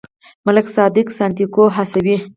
ملک صادق سانتیاګو هڅوي.